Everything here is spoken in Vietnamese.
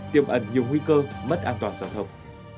tiêm ẩn nhiều nguy cơ mất an toàn giao thông